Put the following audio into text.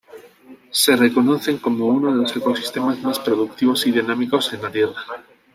Se reconocen como uno de los ecosistemas más productivos y dinámicos en la Tierra.